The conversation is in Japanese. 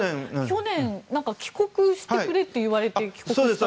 去年、帰国してくれと言われて帰国したという。